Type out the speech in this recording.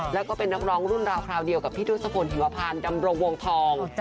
แล้วก็เป็นนักร้องรุ่นราวคราวเดียวกับพี่ทศพลหิวพานดำรงวงทอง